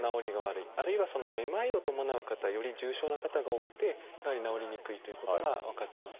あるいはめまいを伴う方はより重症な方が多くてやはり治りにくいということが分かってます。